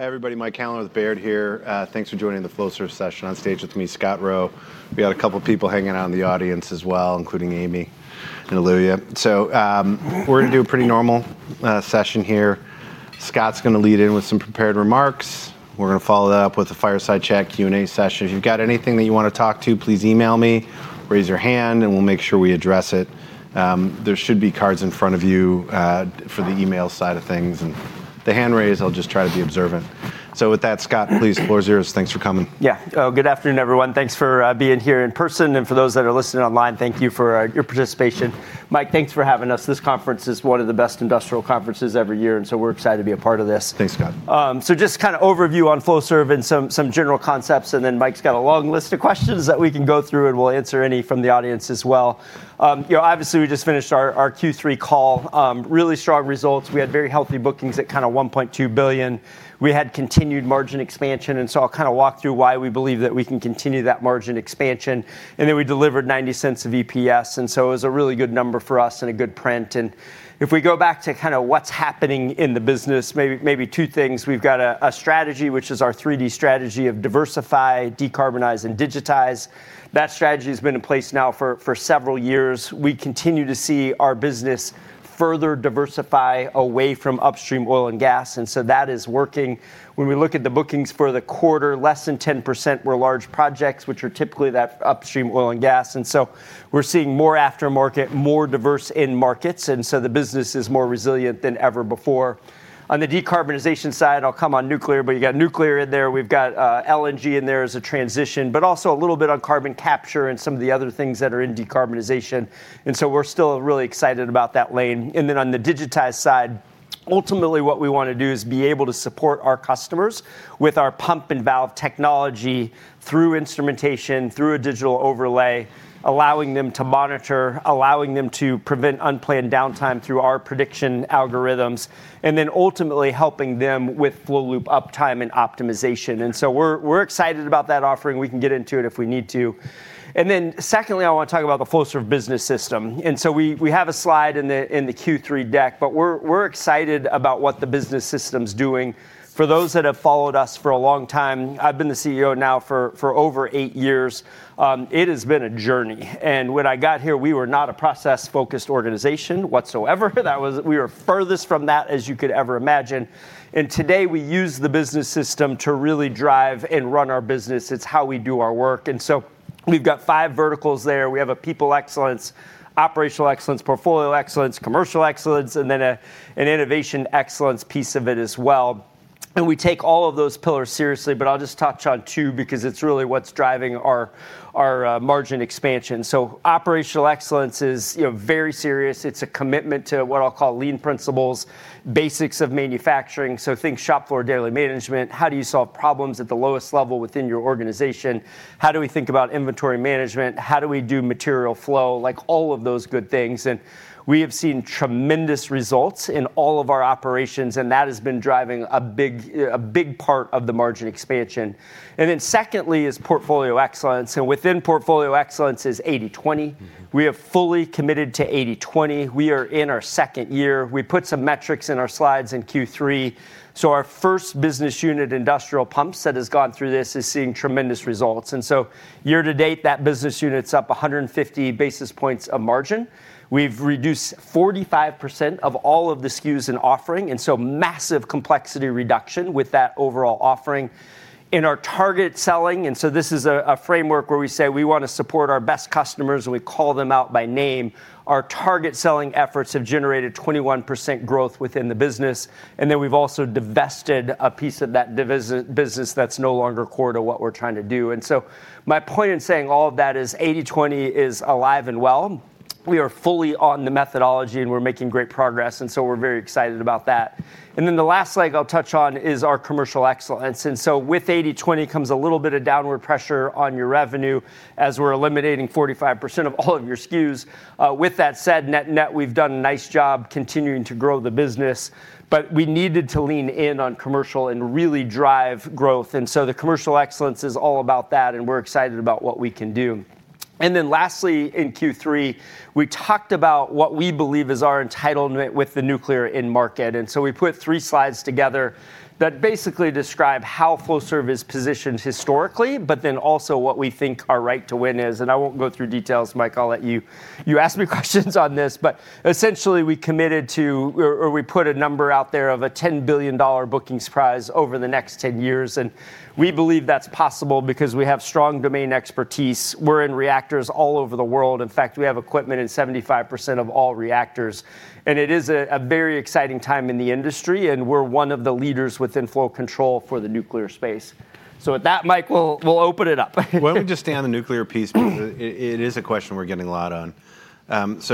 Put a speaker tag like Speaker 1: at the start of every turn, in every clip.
Speaker 1: Hey, everybody. Mike Halloran with Baird here. Thanks for joining the Flowserve session. On stage with me, Scott Rowe. We've got a couple of people hanging out in the audience as well, including Amy and Aluya. We're going to do a pretty normal session here. Scott's going to lead in with some prepared remarks. We're going to follow that up with a fireside chat Q&A session. If you've got anything that you want to talk to, please email me. Raise your hand, and we'll make sure we address it. There should be cards in front of you for the email side of things. The hand raise, I'll just try to be observant. With that, Scott, please, Flowserve's, thanks for coming.
Speaker 2: Yeah. Good afternoon, everyone. Thanks for being here in person. For those that are listening online, thank you for your participation. Mike, thanks for having us. This conference is one of the best industrial conferences every year, and we are excited to be a part of this.
Speaker 1: Thanks, Scott.
Speaker 2: Just kind of overview on Flowserve and some general concepts. Mike's got a long list of questions that we can go through, and we'll answer any from the audience as well. Obviously, we just finished our Q3 call. Really strong results. We had very healthy bookings at kind of $1.2 billion. We had continued margin expansion. I'll kind of walk through why we believe that we can continue that margin expansion. We delivered $0.90 of EPS. It was a really good number for us and a good print. If we go back to kind of what's happening in the business, maybe two things. We've got a strategy, which is our 3D strategy of diversify, decarbonize, and digitize. That strategy has been in place now for several years. We continue to see our business further diversify away from upstream oil and gas. That is working. When we look at the bookings for the quarter, less than 10% were large projects, which are typically that upstream oil and gas. We are seeing more aftermarket, more diverse end markets. The business is more resilient than ever before. On the decarbonization side, I'll come on nuclear, but you have got nuclear in there. We have got LNG in there as a transition, but also a little bit on carbon capture and some of the other things that are in decarbonization. We are still really excited about that lane. On the digitized side, ultimately what we want to do is be able to support our customers with our pump and valve technology through instrumentation, through a digital overlay, allowing them to monitor, allowing them to prevent unplanned downtime through our prediction algorithms, and ultimately helping them with flow loop uptime and optimization. We are excited about that offering. We can get into it if we need to. Secondly, I want to talk about the Flowserve business system. We have a slide in the Q3 deck, and we are excited about what the business system is doing. For those that have followed us for a long time, I have been the CEO now for over eight years. It has been a journey. When I got here, we were not a process-focused organization whatsoever. We were furthest from that as you could ever imagine. Today, we use the business system to really drive and run our business. It's how we do our work. We have five verticals there. We have a people excellence, operational excellence, portfolio excellence, commercial excellence, and then an innovation excellence piece of it as well. We take all of those pillars seriously, but I'll just touch on two because it's really what's driving our margin expansion. Operational excellence is very serious. It's a commitment to what I'll call lean principles, basics of manufacturing. Think shop floor daily management. How do you solve problems at the lowest level within your organization? How do we think about inventory management? How do we do material flow? All of those good things. We have seen tremendous results in all of our operations, and that has been driving a big part of the margin expansion. Secondly is portfolio excellence. Within portfolio excellence is 80/20. We have fully committed to 80/20. We are in our second year. We put some metrics in our slides in Q3. Our first business unit, industrial pumps that has gone through this, is seeing tremendous results. Year to date, that business unit's up 150 basis points of margin. We have reduced 45% of all of the SKUs in offering, so massive complexity reduction with that overall offering. In our target selling, this is a framework where we say we want to support our best customers, and we call them out by name. Our target selling efforts have generated 21% growth within the business. We have also divested a piece of that business that is no longer core to what we are trying to do. My point in saying all of that is 80/20 is alive and well. We are fully on the methodology, and we are making great progress. We are very excited about that. The last leg I will touch on is our commercial excellence. With 80/20 comes a little bit of downward pressure on your revenue as we are eliminating 45% of all of your SKUs. With that said, net net, we have done a nice job continuing to grow the business, but we needed to lean in on commercial and really drive growth. The commercial excellence is all about that, and we are excited about what we can do. Lastly, in Q3, we talked about what we believe is our entitlement with the nuclear in market. We put three slides together that basically describe how Flowserve is positioned historically, but then also what we think our right to win is. I will not go through details, Mike. I will let you ask me questions on this. Essentially, we committed to, or we put a number out there of a $10 billion bookings prize over the next 10 years. We believe that is possible because we have strong domain expertise. We are in reactors all over the world. In fact, we have equipment in 75% of all reactors. It is a very exciting time in the industry, and we are one of the leaders within flow control for the nuclear space. With that, Mike, we will open it up.
Speaker 1: Why do not we just stay on the nuclear piece because it is a question we are getting a lot on. Let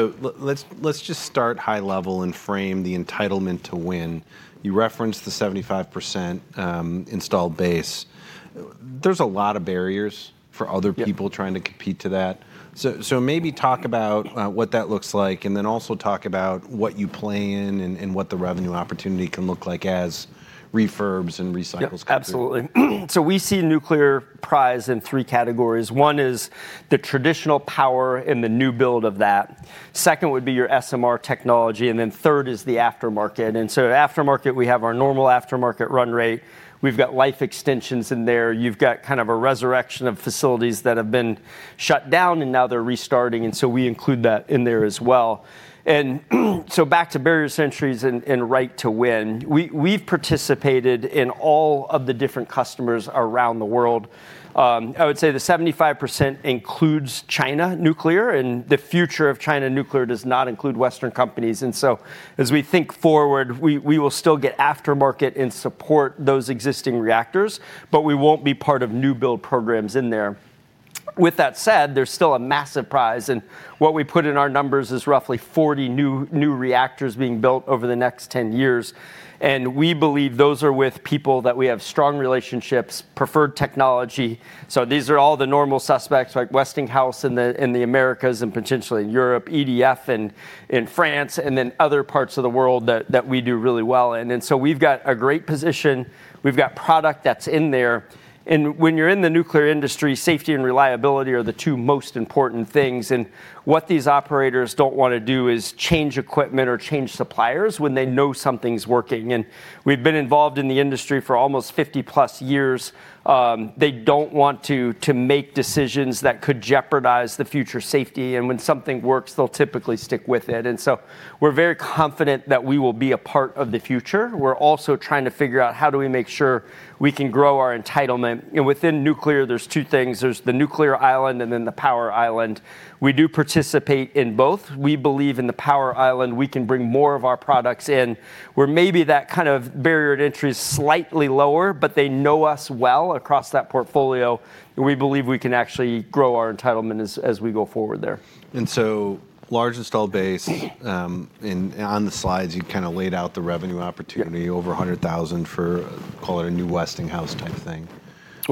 Speaker 1: us just start high level and frame the entitlement to win. You referenced the 75% installed base. There is a lot of barriers for other people trying to compete to that. Maybe talk about what that looks like, and then also talk about what you play in and what the revenue opportunity can look like as refurbs and recycles come in.
Speaker 2: Absolutely. We see nuclear prize in three categories. One is the traditional power and the new build of that. Second would be your SMR technology. Third is the aftermarket. In aftermarket, we have our normal aftermarket run rate. We have life extensions in there. You have kind of a resurrection of facilities that have been shut down, and now they are restarting. We include that in there as well. Back to barrier centuries and right to win. We have participated in all of the different customers around the world. I would say the 75% includes China National Nuclear Corporation, and the future of China nuclear does not include Western companies. As we think forward, we will still get aftermarket and support those existing reactors, but we will not be part of new build programs in there. With that said, there is still a massive prize. What we put in our numbers is roughly 40 new reactors being built over the next 10 years. We believe those are with people that we have strong relationships, preferred technology. These are all the normal suspects like Westinghouse in the Americas and potentially in Europe, EDF in France, and then other parts of the world that we do really well in. We have a great position. We have product that's in there. When you're in the nuclear industry, safety and reliability are the two most important things. What these operators do not want to do is change equipment or change suppliers when they know something's working. We have been involved in the industry for almost 50-plus years. They do not want to make decisions that could jeopardize the future safety. When something works, they'll typically stick with it. We are very confident that we will be a part of the future. We are also trying to figure out how do we make sure we can grow our entitlement. Within nuclear, there are two things. There is the nuclear island and then the power island. We do participate in both. We believe in the power island, we can bring more of our products in where maybe that kind of barrier to entry is slightly lower, but they know us well across that portfolio. We believe we can actually grow our entitlement as we go forward there.
Speaker 1: Large installed base, and on the slides, you kind of laid out the revenue opportunity over $100,000 for, call it a new Westinghouse type thing.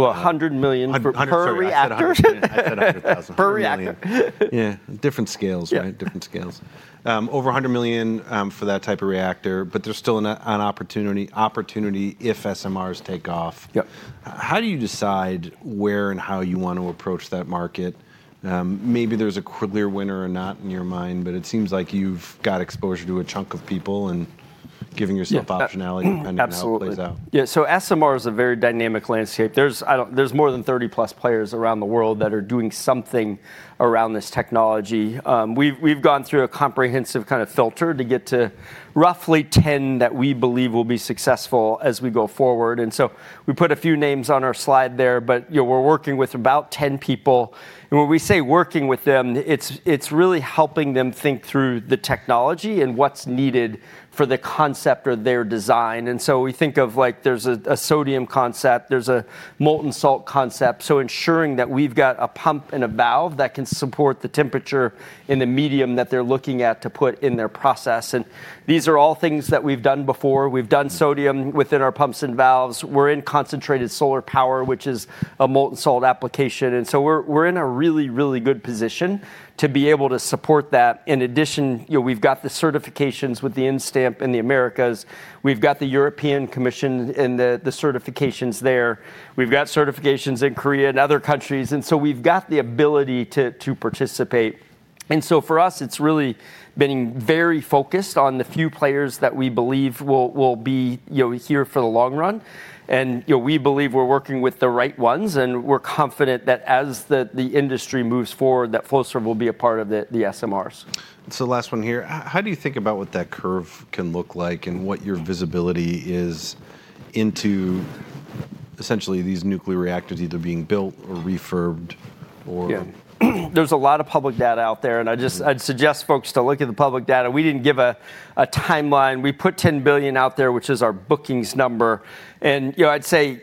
Speaker 2: $100 million for a reactor.
Speaker 1: 100 million.
Speaker 2: Per reactor.
Speaker 1: Yeah. Different scales, right? Different scales. Over $100 million for that type of reactor, but there's still an opportunity if SMRs take off.
Speaker 2: Yep.
Speaker 1: How do you decide where and how you want to approach that market? Maybe there is a clear winner or not in your mind, but it seems like you have got exposure to a chunk of people and giving yourself optionality depending on how it plays out.
Speaker 2: Yeah. SMR is a very dynamic landscape. There are more than 30+ players around the world that are doing something around this technology. We have gone through a comprehensive kind of filter to get to roughly 10 that we believe will be successful as we go forward. We put a few names on our slide there, but we are working with about 10 people. When we say working with them, it is really helping them think through the technology and what is needed for the concept or their design. We think of there is a sodium concept. There is a molten salt concept. Ensuring that we have got a pump and a valve that can support the temperature in the medium that they are looking at to put in their process. These are all things that we have done before. We have done sodium within our pumps and valves. We're in concentrated solar power, which is a molten salt application. We're in a really, really good position to be able to support that. In addition, we've got the certifications with the N-STAMP in the Americas. We've got the European Commission and the certifications there. We've got certifications in Korea and other countries. We've got the ability to participate. For us, it's really been very focused on the few players that we believe will be here for the long run. We believe we're working with the right ones. We're confident that as the industry moves forward, Flowserve will be a part of the SMRs.
Speaker 1: Last one here. How do you think about what that curve can look like and what your visibility is into essentially these nuclear reactors either being built or refurbed or?
Speaker 2: Yeah. There's a lot of public data out there. I'd suggest folks to look at the public data. We didn't give a timeline. We put $10 billion out there, which is our bookings number. I'd say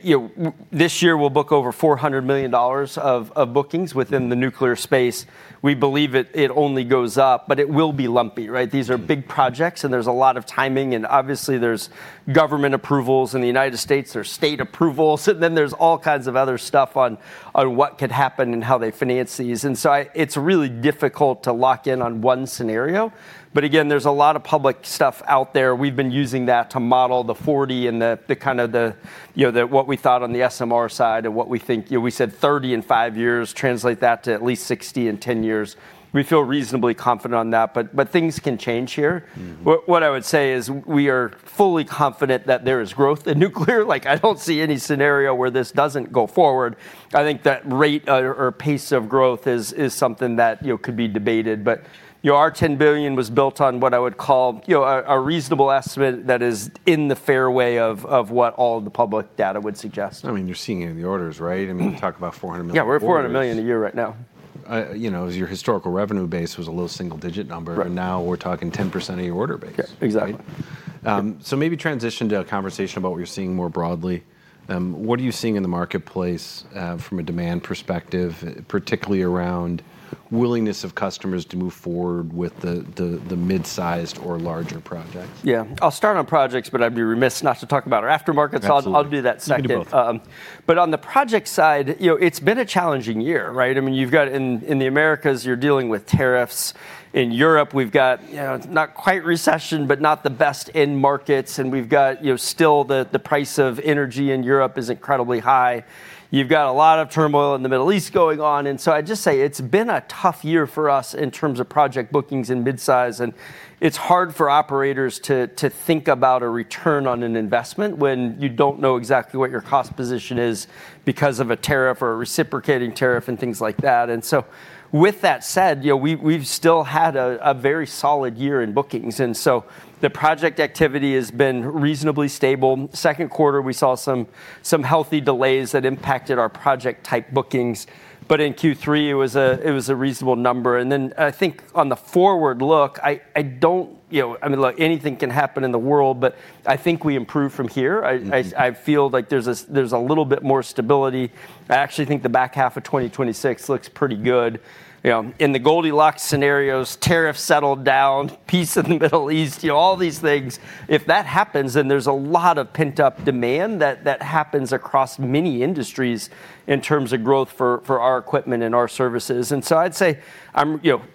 Speaker 2: this year, we'll book over $400 million of bookings within the nuclear space. We believe it only goes up, but it will be lumpy, right? These are big projects, and there's a lot of timing. Obviously, there's government approvals in the U.S. There's state approvals. There's all kinds of other stuff on what could happen and how they finance these. It's really difficult to lock in on one scenario. Again, there's a lot of public stuff out there. We've been using that to model the 40 and the kind of what we thought on the SMR side and what we think we said 30 in five years, translate that to at least 60 in 10 years. We feel reasonably confident on that. Things can change here. What I would say is we are fully confident that there is growth in nuclear. I do not see any scenario where this does not go forward. I think that rate or pace of growth is something that could be debated. Our $10 billion was built on what I would call a reasonable estimate that is in the fairway of what all the public data would suggest.
Speaker 1: I mean, you're seeing it in the orders, right? I mean, you talk about $400 million.
Speaker 2: Yeah, we're at $400 million a year right now.
Speaker 1: Your historical revenue base was a little single-digit number. Now we're talking 10% of your order base.
Speaker 2: Yeah, exactly.
Speaker 1: Maybe transition to a conversation about what you're seeing more broadly. What are you seeing in the marketplace from a demand perspective, particularly around willingness of customers to move forward with the mid-sized or larger projects?
Speaker 2: Yeah. I'll start on projects, but I'd be remiss not to talk about our aftermarket. So I'll do that second.
Speaker 1: You can do both.
Speaker 2: On the project side, it's been a challenging year, right? I mean, you've got in the Americas, you're dealing with tariffs. In Europe, we've got not quite recession, but not the best in markets. And we've got still the price of energy in Europe is incredibly high. You've got a lot of turmoil in the Middle East going on. I'd just say it's been a tough year for us in terms of project bookings and mid-size. It's hard for operators to think about a return on an investment when you don't know exactly what your cost position is because of a tariff or a reciprocating tariff and things like that. With that said, we've still had a very solid year in bookings. The project activity has been reasonably stable. Second quarter, we saw some healthy delays that impacted our project-type bookings. In Q3, it was a reasonable number. I think on the forward look, I do not look, anything can happen in the world, but I think we improve from here. I feel like there is a little bit more stability. I actually think the back half of 2026 looks pretty good. In the Goldilocks scenarios, tariffs settle down, peace in the Middle East, all these things. If that happens, then there is a lot of pent-up demand that happens across many industries in terms of growth for our equipment and our services. I would say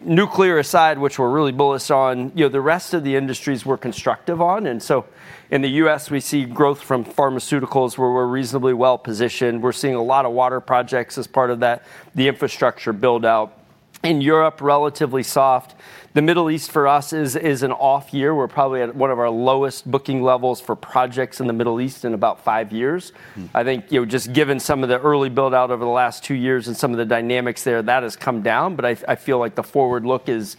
Speaker 2: nuclear aside, which we are really bullish on, the rest of the industries we are constructive on. In the U.S., we see growth from pharmaceuticals where we are reasonably well positioned. We are seeing a lot of water projects as part of that, the infrastructure build-out. In Europe, relatively soft. The Middle East for us is an off year. We're probably at one of our lowest booking levels for projects in the Middle East in about five years. I think just given some of the early build-out over the last two years and some of the dynamics there, that has come down. I feel like the forward look is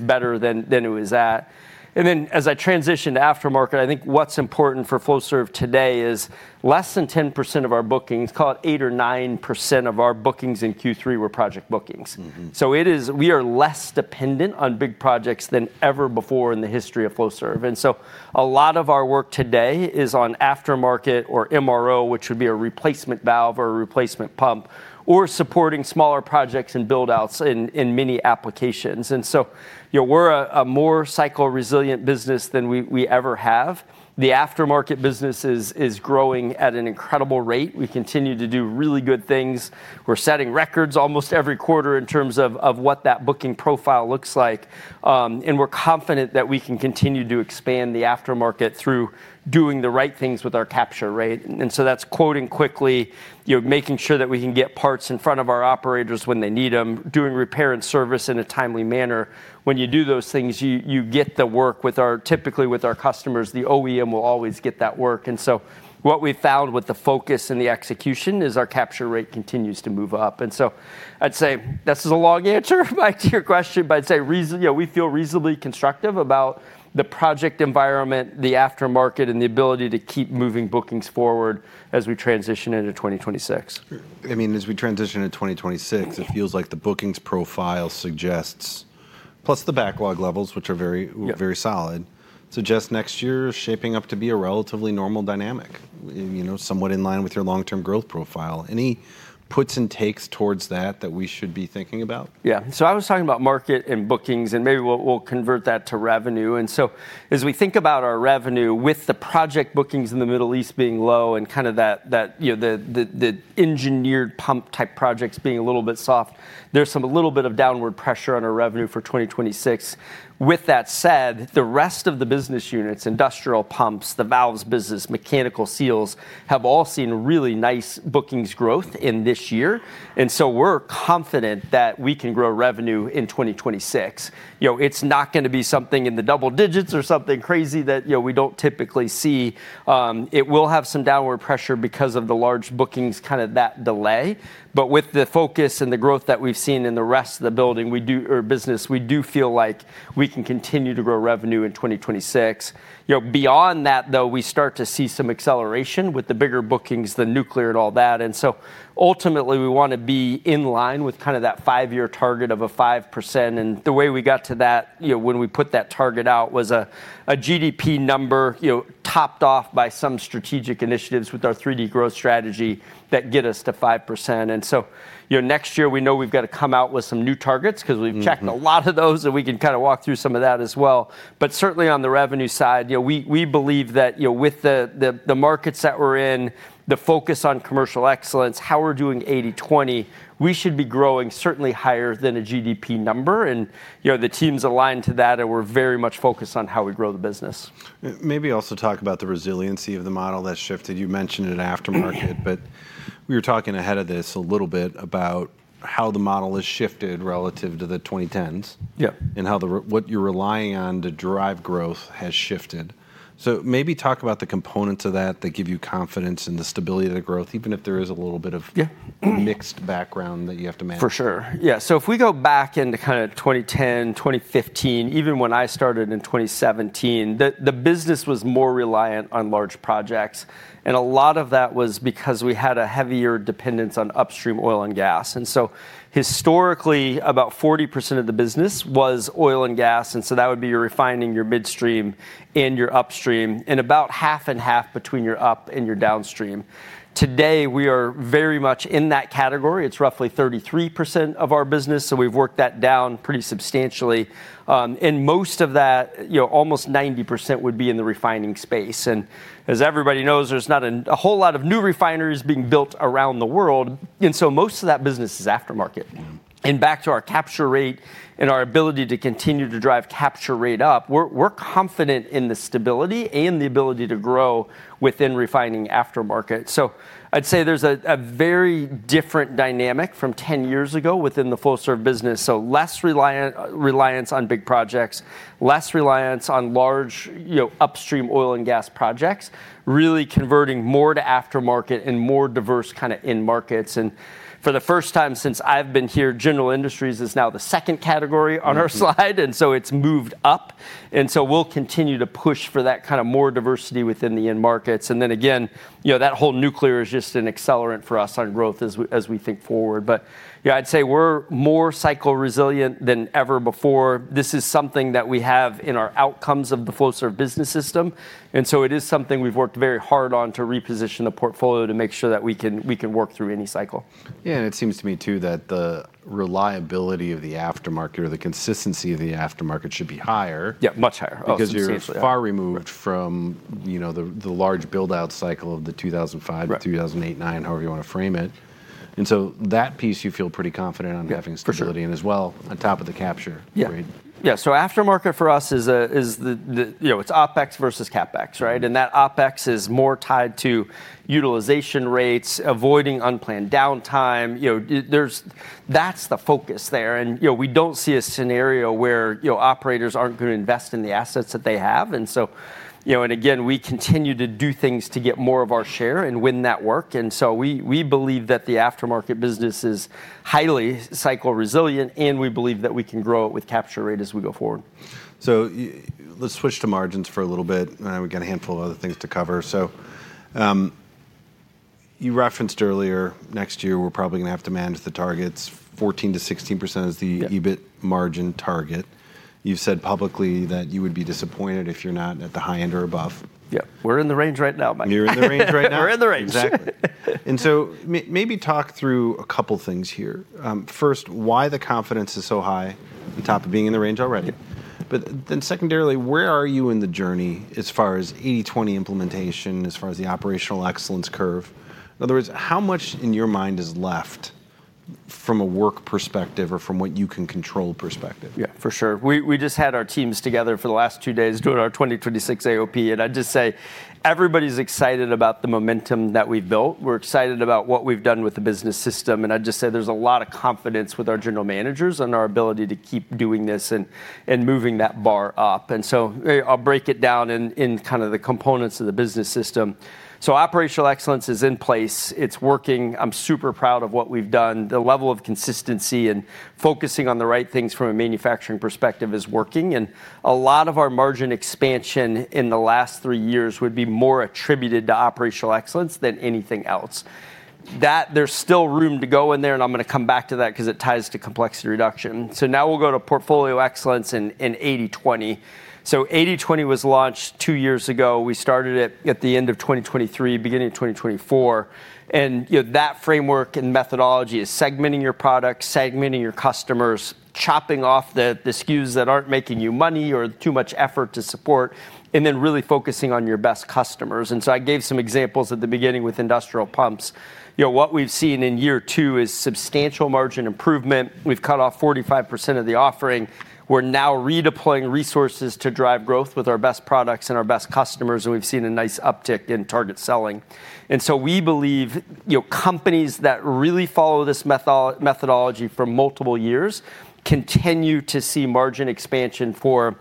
Speaker 2: better than it was at. As I transition to aftermarket, I think what's important for Flowserve today is less than 10% of our bookings, call it 8% or 9% of our bookings in Q3 were project bookings. We are less dependent on big projects than ever before in the history of Flowserve. A lot of our work today is on aftermarket or MRO, which would be a replacement valve or a replacement pump, or supporting smaller projects and build-outs in many applications. We are a more cycle-resilient business than we ever have. The aftermarket business is growing at an incredible rate. We continue to do really good things. We are setting records almost every quarter in terms of what that booking profile looks like. We are confident that we can continue to expand the aftermarket through doing the right things with our capture, right? That is quoting quickly, making sure that we can get parts in front of our operators when they need them, doing repair and service in a timely manner. When you do those things, you get the work. Typically, with our customers, the OEM will always get that work. What we have found with the focus and the execution is our capture rate continues to move up. I'd say that's a long answer to your question, but I'd say we feel reasonably constructive about the project environment, the aftermarket, and the ability to keep moving bookings forward as we transition into 2026.
Speaker 1: I mean, as we transition into 2026, it feels like the bookings profile suggests, plus the backlog levels, which are very solid, suggest next year shaping up to be a relatively normal dynamic, somewhat in line with your long-term growth profile. Any puts and takes towards that that we should be thinking about?
Speaker 2: Yeah. I was talking about market and bookings, and maybe we'll convert that to revenue. As we think about our revenue with the project bookings in the Middle East being low and kind of the engineered pump type projects being a little bit soft, there's a little bit of downward pressure on our revenue for 2026. With that said, the rest of the business units, industrial pumps, the valves business, mechanical seals, have all seen really nice bookings growth in this year. We're confident that we can grow revenue in 2026. It's not going to be something in the double digits or something crazy that we don't typically see. It will have some downward pressure because of the large bookings kind of that delay. With the focus and the growth that we've seen in the rest of the business, we do feel like we can continue to grow revenue in 2026. Beyond that, though, we start to see some acceleration with the bigger bookings, the nuclear and all that. Ultimately, we want to be in line with kind of that five-year target of a 5%. The way we got to that, when we put that target out, was a GDP number topped off by some strategic initiatives with our 3D growth strategy that get us to 5%. Next year, we know we've got to come out with some new targets because we've checked a lot of those, and we can kind of walk through some of that as well. Certainly on the revenue side, we believe that with the markets that we're in, the focus on commercial excellence, how we're doing 80/20, we should be growing certainly higher than a GDP number. The team's aligned to that, and we're very much focused on how we grow the business.
Speaker 1: Maybe also talk about the resiliency of the model that's shifted. You mentioned it in aftermarket, but we were talking ahead of this a little bit about how the model has shifted relative to the 2010s and what you're relying on to drive growth has shifted. Maybe talk about the components of that that give you confidence in the stability of the growth, even if there is a little bit of mixed background that you have to manage.
Speaker 2: For sure. Yeah. If we go back into kind of 2010, 2015, even when I started in 2017, the business was more reliant on large projects. A lot of that was because we had a heavier dependence on upstream oil and gas. Historically, about 40% of the business was oil and gas. That would be your refining, your midstream, and your upstream, and about half and half between your up and your downstream. Today, we are very much in that category. It is roughly 33% of our business. We have worked that down pretty substantially. Most of that, almost 90%, would be in the refining space. As everybody knows, there is not a whole lot of new refineries being built around the world. Most of that business is aftermarket. Back to our capture rate and our ability to continue to drive capture rate up, we're confident in the stability and the ability to grow within refining aftermarket. I'd say there's a very different dynamic from 10 years ago within the Flowserve business. Less reliance on big projects, less reliance on large upstream oil and gas projects, really converting more to aftermarket and more diverse kind of in-markets. For the first time since I've been here, general industries is now the second category on our slide. It has moved up. We'll continue to push for that kind of more diversity within the in-markets. That whole nuclear is just an accelerant for us on growth as we think forward. I'd say we're more cycle-resilient than ever before. This is something that we have in our outcomes of the Flowserve Business System. It is something we've worked very hard on to reposition the portfolio to make sure that we can work through any cycle.
Speaker 1: Yeah. It seems to me, too, that the reliability of the aftermarket or the consistency of the aftermarket should be higher.
Speaker 2: Yeah, much higher.
Speaker 1: Because you're far removed from the large build-out cycle of 2005, 2008, 2009, however you want to frame it. That piece, you feel pretty confident on having stability in as well on top of the capture, right?
Speaker 2: Yeah. Aftermarket for us is it's OPEX versus CAPEX, right? That OPEX is more tied to utilization rates, avoiding unplanned downtime. That's the focus there. We do not see a scenario where operators are not going to invest in the assets that they have. Again, we continue to do things to get more of our share and win that work. We believe that the aftermarket business is highly cycle-resilient, and we believe that we can grow it with capture rate as we go forward.
Speaker 1: Let's switch to margins for a little bit. We've got a handful of other things to cover. You referenced earlier, next year, we're probably going to have to manage the targets, 14%-16% is the EBIT margin target. You've said publicly that you would be disappointed if you're not at the high end or above.
Speaker 2: Yeah. We're in the range right now, Mike.
Speaker 1: You're in the range right now.
Speaker 2: We're in the range.
Speaker 1: Exactly. Maybe talk through a couple of things here. First, why the confidence is so high on top of being in the range already. Secondarily, where are you in the journey as far as 80/20 implementation, as far as the operational excellence curve? In other words, how much in your mind is left from a work perspective or from what you can control perspective?
Speaker 2: Yeah, for sure. We just had our teams together for the last two days doing our 2026 AOP. I'd just say everybody's excited about the momentum that we've built. We're excited about what we've done with the business system. I'd just say there's a lot of confidence with our general managers on our ability to keep doing this and moving that bar up. I'll break it down in kind of the components of the business system. Operational excellence is in place. It's working. I'm super proud of what we've done. The level of consistency and focusing on the right things from a manufacturing perspective is working. A lot of our margin expansion in the last three years would be more attributed to operational excellence than anything else. There's still room to go in there, and I'm going to come back to that because it ties to complexity reduction. Now we'll go to portfolio excellence and 80/20. 80/20 was launched two years ago. We started it at the end of 2023, beginning of 2024. That framework and methodology is segmenting your products, segmenting your customers, chopping off the SKUs that aren't making you money or too much effort to support, and then really focusing on your best customers. I gave some examples at the beginning with industrial pumps. What we've seen in year two is substantial margin improvement. We've cut off 45% of the offering. We're now redeploying resources to drive growth with our best products and our best customers, and we've seen a nice uptick in target selling. We believe companies that really follow this methodology for multiple years continue to see margin expansion for,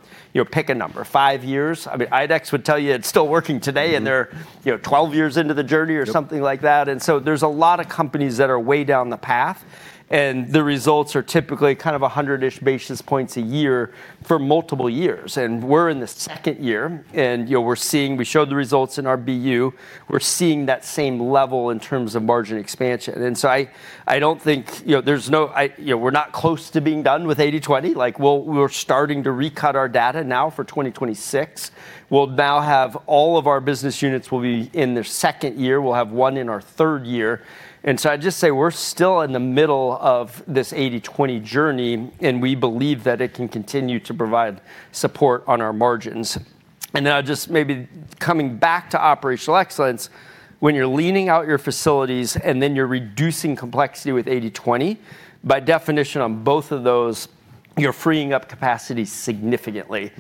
Speaker 2: pick a number, five years. I mean, IDEXX would tell you it's still working today, and they're 12 years into the journey or something like that. There are a lot of companies that are way down the path, and the results are typically kind of 100-ish basis points a year for multiple years. We're in the second year, and we showed the results in our BU. We're seeing that same level in terms of margin expansion. I don't think we're close to being done with 80/20. We're starting to recut our data now for 2026. We'll now have all of our business units in their second year. We'll have one in our third year. I'd just say we're still in the middle of this 80/20 journey, and we believe that it can continue to provide support on our margins. I'll just maybe coming back to operational excellence, when you're leaning out your facilities and then you're reducing complexity with 80/20, by definition, on both of those, you're freeing up capacity significantly.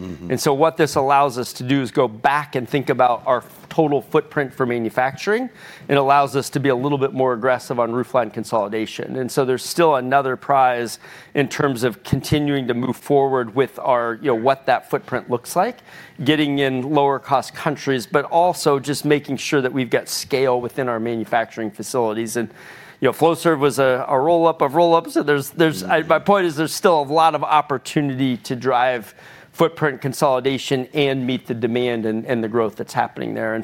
Speaker 2: What this allows us to do is go back and think about our total footprint for manufacturing. It allows us to be a little bit more aggressive on roofline consolidation. There's still another prize in terms of continuing to move forward with what that footprint looks like, getting in lower-cost countries, but also just making sure that we've got scale within our manufacturing facilities. Flowserve was a roll-up of roll-ups. My point is there's still a lot of opportunity to drive footprint consolidation and meet the demand and the growth that's happening there.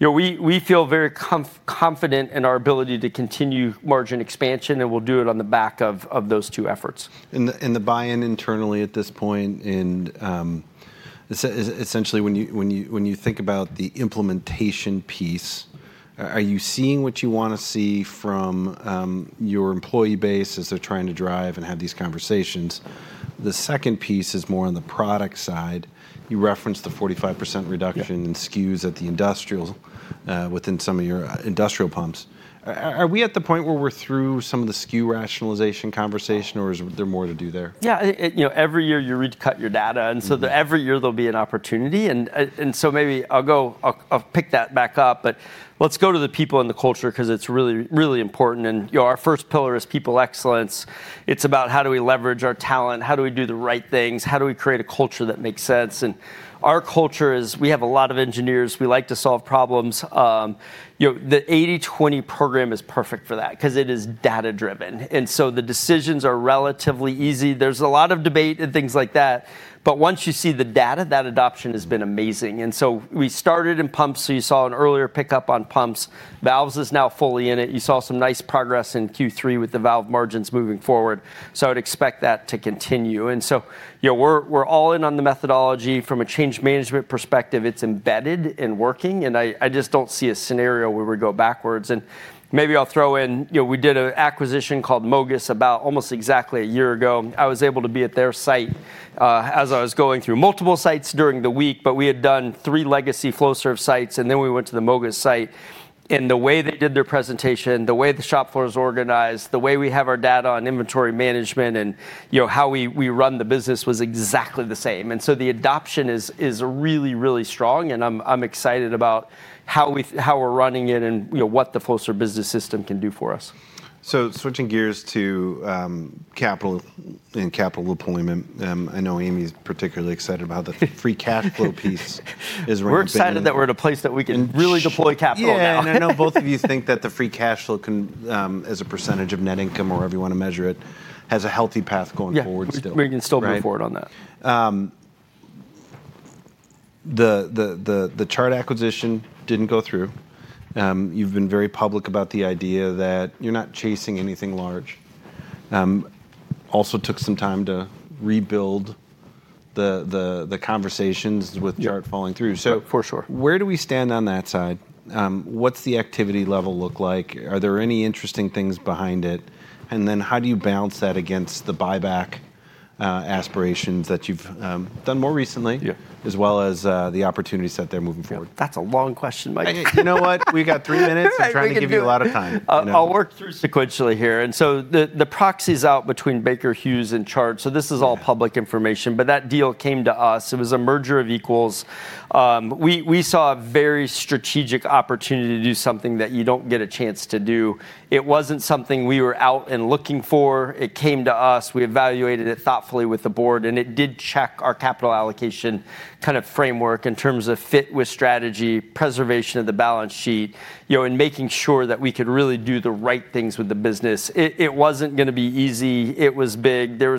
Speaker 2: We feel very confident in our ability to continue margin expansion, and we'll do it on the back of those two efforts.
Speaker 1: The buy-in internally at this point, and essentially when you think about the implementation piece, are you seeing what you want to see from your employee base as they're trying to drive and have these conversations? The second piece is more on the product side. You referenced the 45% reduction in SKUs at the industrial within some of your industrial pumps. Are we at the point where we're through some of the SKU rationalization conversation, or is there more to do there?
Speaker 2: Yeah. Every year you recut your data. Every year there'll be an opportunity. Maybe I'll pick that back up, but let's go to the people and the culture because it's really, really important. Our first pillar is people excellence. It's about how do we leverage our talent? How do we do the right things? How do we create a culture that makes sense? Our culture is we have a lot of engineers. We like to solve problems. The 80/20 program is perfect for that because it is data-driven. The decisions are relatively easy. There's a lot of debate and things like that. Once you see the data, that adoption has been amazing. We started in pumps. You saw an earlier pickup on pumps. Valves is now fully in it. You saw some nice progress in Q3 with the valve margins moving forward. I would expect that to continue. We are all in on the methodology. From a change management perspective, it is embedded and working. I just do not see a scenario where we go backwards. Maybe I will throw in we did an acquisition called Mogus about almost exactly a year ago. I was able to be at their site as I was going through multiple sites during the week, but we had done three legacy Flowserve sites, and then we went to the Mogus site. The way they did their presentation, the way the shop floor is organized, the way we have our data on inventory management and how we run the business was exactly the same. The adoption is really, really strong. I'm excited about how we're running it and what the Flowserve business system can do for us.
Speaker 1: Switching gears to capital and capital deployment. I know Amy's particularly excited about the free cash flow piece.
Speaker 2: We're excited that we're at a place that we can really deploy capital now.
Speaker 1: I know both of you think that the free cash flow as a percentage of net income or however you want to measure it has a healthy path going forward still.
Speaker 2: We can still move forward on that.
Speaker 1: The Chart acquisition did not go through. You have been very public about the idea that you are not chasing anything large. Also took some time to rebuild the conversations with Chart falling through. Where do we stand on that side? What does the activity level look like? Are there any interesting things behind it? How do you balance that against the buyback aspirations that you have done more recently, as well as the opportunities that they are moving forward?
Speaker 2: That's a long question, Mike.
Speaker 1: You know what? We've got three minutes. I'm trying to give you a lot of time.
Speaker 2: I'll work through sequentially here. The proxies out between Baker Hughes and Chart. This is all public information. That deal came to us. It was a merger of equals. We saw a very strategic opportunity to do something that you do not get a chance to do. It was not something we were out and looking for. It came to us. We evaluated it thoughtfully with the board. It did check our capital allocation kind of framework in terms of fit with strategy, preservation of the balance sheet, and making sure that we could really do the right things with the business. It was not going to be easy. It was big. It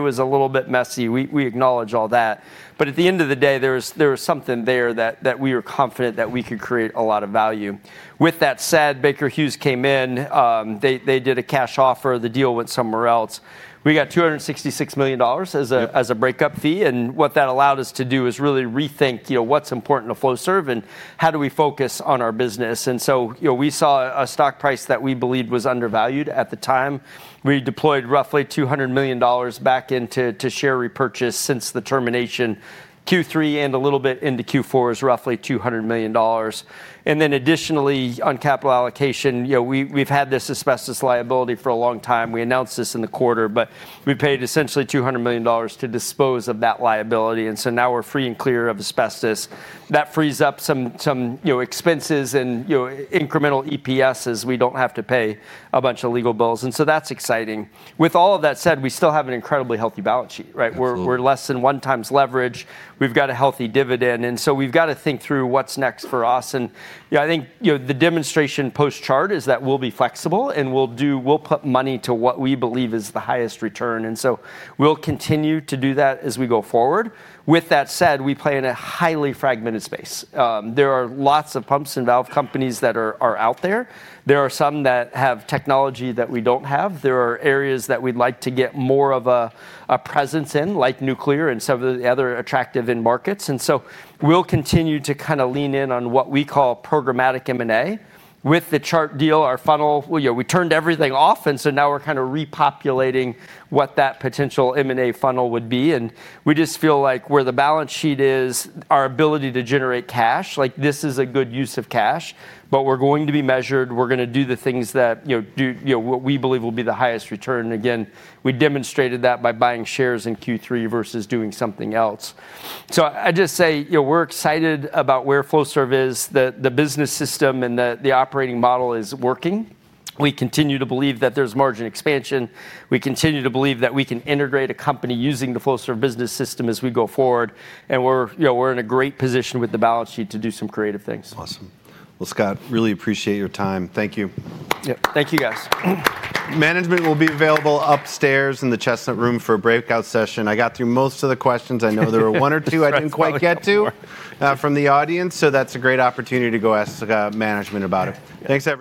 Speaker 2: was a little bit messy. We acknowledge all that. At the end of the day, there was something there that we were confident that we could create a lot of value. With that said, Baker Hughes came in. They did a cash offer. The deal went somewhere else. We got $266 million as a breakup fee. What that allowed us to do is really rethink what's important to Flowserve and how do we focus on our business. We saw a stock price that we believed was undervalued at the time. We deployed roughly $200 million back into share repurchase since the termination. Q3 and a little bit into Q4 is roughly $200 million. Additionally, on capital allocation, we've had this asbestos liability for a long time. We announced this in the quarter, but we paid essentially $200 million to dispose of that liability. Now we're free and clear of asbestos. That frees up some expenses and incremental EPS as we don't have to pay a bunch of legal bills. That's exciting. With all of that said, we still have an incredibly healthy balance sheet, right? We're less than one times leverage. We've got a healthy dividend. We have to think through what's next for us. I think the demonstration post-Chart is that we'll be flexible and we'll put money to what we believe is the highest return. We'll continue to do that as we go forward. With that said, we play in a highly fragmented space. There are lots of pumps and valve companies that are out there. There are some that have technology that we don't have. There are areas that we'd like to get more of a presence in, like nuclear and some of the other attractive end markets. We'll continue to kind of lean in on what we call programmatic M&A. With the Chart deal, our funnel, we turned everything off. Now we're kind of repopulating what that potential M&A funnel would be. We just feel like where the balance sheet is, our ability to generate cash, this is a good use of cash. We're going to be measured. We're going to do the things that we believe will be the highest return. Again, we demonstrated that by buying shares in Q3 versus doing something else. I just say we're excited about where Flowserve is. The business system and the operating model is working. We continue to believe that there's margin expansion. We continue to believe that we can integrate a company using the Flowserve business system as we go forward. We're in a great position with the balance sheet to do some creative things.
Speaker 1: Awesome. Scott, really appreciate your time. Thank you.
Speaker 2: Yeah. Thank you, guys.
Speaker 1: Management will be available upstairs in the Chestnut Room for a breakout session. I got through most of the questions. I know there were one or two I did not quite get to from the audience. That is a great opportunity to go ask management about it. Thanks.